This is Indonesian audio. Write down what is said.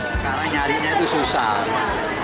sekarang nyarinya itu susah